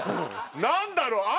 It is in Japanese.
何だろう？